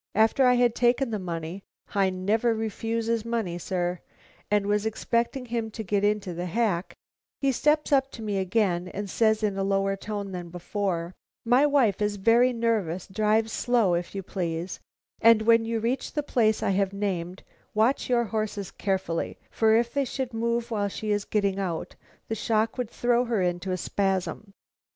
After I had taken the money I never refuses money, sir and was expecting him to get into the hack, he steps up to me again and says in a lower tone than before: 'My wife is very nervous. Drive slow, if you please, and when you reach the place I have named, watch your horses carefully, for if they should move while she is getting out, the shock would throw her into a spasm.'